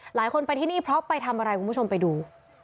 หลายคนไปที่นี่เพราะไปทำอะไรคุณผู้ชมไปดู